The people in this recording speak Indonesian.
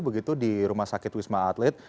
begitu di rumah sakit wisma atlet